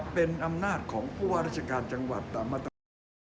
ก็จะเป็นอำนาจของประวัติราชการจังหวัดต่อมาตรงนี้